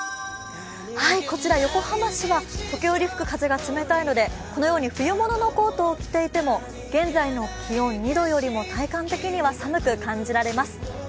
こちら横浜市は時折、吹く風が冷たいのでこのように冬物のコートを着ていても現在の気温、２度よりも体感的には寒く感じられます。